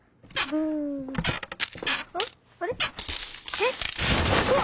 えっ？